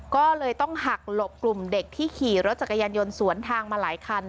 ก็เลยต้องหักหลบกลุ่มเด็กที่ขี่รถจักรยานยนต์สวนทางมาหลายคัน